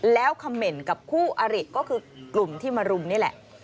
แล้วคำเมนต์กับคู่อริก็คือกลุ่มที่มารุมนี่แหละ